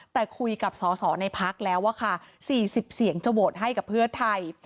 แต่คุยกับสอสอในพักแล้วอะค่ะ๔๐เสียงจะโหวตให้กับเพื่อไทย